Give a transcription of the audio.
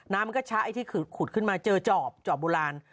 น้ำมันก็ชะไอ้ที่ขุดขึ้นมาเจอจอบจอบโบราณ